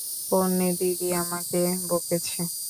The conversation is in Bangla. পোন্নি দিদি আমাকে বকেছে।